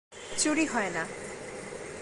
‘চুরি হয় না।’